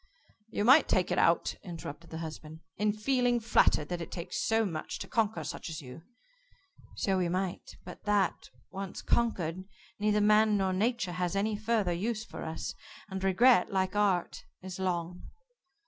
"You might take it out," interrupted the husband, "in feeling flattered that it takes so much to conquer such as you." "So we might, but that, once conquered, neither man nor Nature has any further use for us, and regret, like art, is long.